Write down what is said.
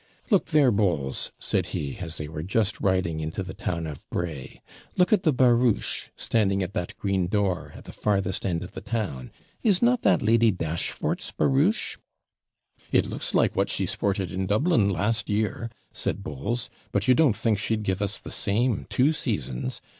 'Look there, Bowles,' said he, as they were just riding into the town of Bray; 'look at the barouche, standing at that green door, at the farthest end of the town. Is not that Lady Dashfort's barouche?' 'It looks like what she sported in Dublin last year,' said Bowles; 'but you don't think she'd give us the same two seasons?